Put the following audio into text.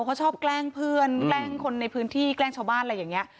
เขาชอบแกล้งเพื่อนแกล้งคนในพื้นที่แกล้งชาวบ้านอะไรอย่างนี้